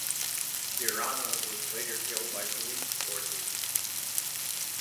Veeranna was later killed by police forces.